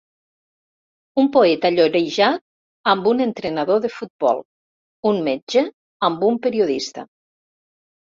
Un poeta llorejat amb un entrenador de futbol, un metge amb un periodista.